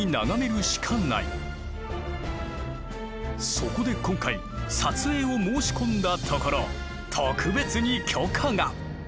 そこで今回撮影を申し込んだところ特別に許可が！